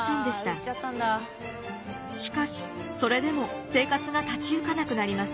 しかしそれでも生活が立ち行かなくなります。